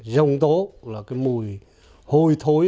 rông tố là cái mùi hôi thối